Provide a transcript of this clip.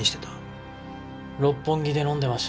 六本木で飲んでました。